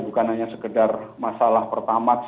bukan hanya sekedar masalah pertamax